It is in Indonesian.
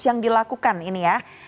yang dilakukan ini ya